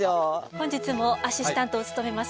本日もアシスタントを務めます